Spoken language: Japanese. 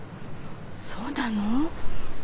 そうなの。